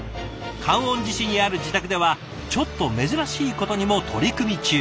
観音寺市にある自宅ではちょっと珍しいことにも取り組み中。